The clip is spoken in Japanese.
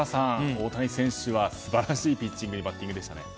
大谷選手は素晴らしいピッチングとバッティングでしたね。